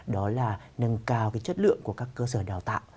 đó là nâng cao cái chất lượng của các cơ sở đào tạo